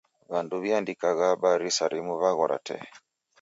W'andu w'iandikagha habari saa rimu w'aghora tee.